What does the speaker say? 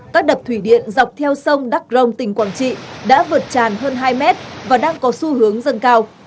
các đập thủy điện dọc theo sông đắk rông tỉnh quảng trị đã vượt tràn hơn hai mét và đang có xu hướng dâng cao